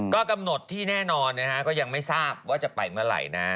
ก็กำหนดที่แน่นอนนะฮะก็ยังไม่ทราบว่าจะไปเมื่อไหร่นะ